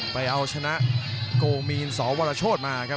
ไปเอาชนะโกมีนสวรโชธมาครับ